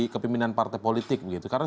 kami onboarding lebih jarang